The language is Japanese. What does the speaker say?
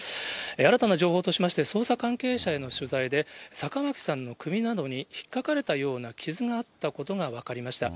新たな情報としまして、捜査関係者への取材で、坂巻さんの首などにひっかかれたような傷があったことが分かりました。